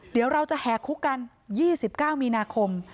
เดี๋ยวเราจะแห่คุกกัน๒๙มีนาคม